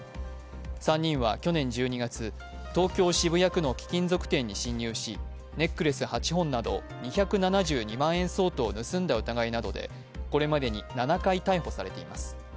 ３人は去年１２月、東京・渋谷区の貴金属店に侵入し、ネックレス８本など２７２万円相当を盗んだ疑いなどでこれまでに７回逮捕されています。